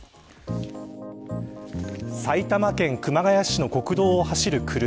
埼玉県熊谷市の国道を走る車。